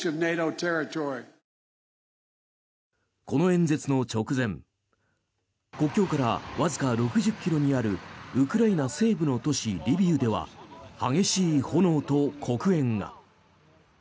この演説の直前国境からわずか６０ｋｍにあるウクライナ西部の都市リビウでは激しい炎と黒煙が。